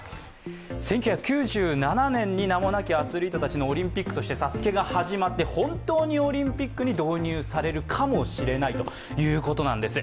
１９９７年に名もなきアスリートたちのオリンピックとして「ＳＡＳＵＫＥ」が始まって本当にオリンピックに導入されるかもしれないということなんです。